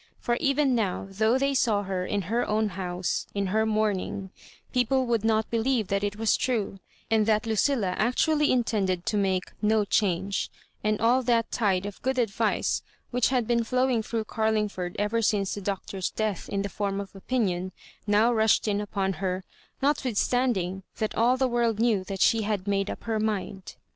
For even now, though they saw her in her own house, In her mourning, people would not believe that it was true, and that Lucilla actually intend ed to make " no change ;" and all that tide of good advice which had been flowing through Carling ford ever since the Doctor's death in the form of opinion, now rushed in upon her, notwitlistand mg that all the world knew tliat she had made up her mind.